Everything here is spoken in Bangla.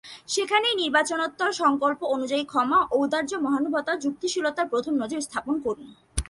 সেখানেই নির্বাচনোত্তর সংকল্প অনুযায়ী ক্ষমা, ঔদার্য, মহানুভবতা, যুক্তিশীলতার প্রথম নজির স্থাপন করুন।